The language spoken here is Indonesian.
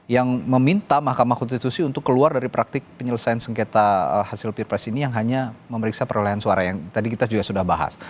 yang meminta mahkamah konstitusi untuk keluar dari praktik penyelesaian sengketa hasil pilpres ini yang hanya memeriksa perolehan suara yang tadi kita juga sudah bahas